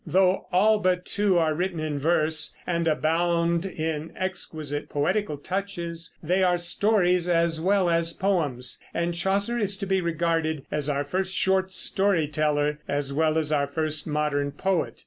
Though all but two are written in verse and abound in exquisite poetical touches, they are stories as well as poems, and Chaucer is to be regarded as our first short story teller as well as our first modern poet.